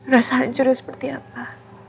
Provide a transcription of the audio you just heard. rasa hancurnya seperti apa